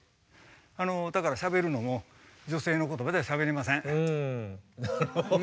だからしゃべるのも女性の言葉ではしゃべりません。